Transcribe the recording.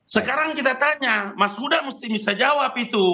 sekarang kita tanya mas huda mesti bisa jawab itu